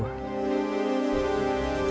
aku akan menanginmu